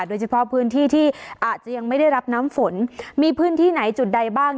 โดยเฉพาะพื้นที่ที่อาจจะยังไม่ได้รับน้ำฝนมีพื้นที่ไหนจุดใดบ้าง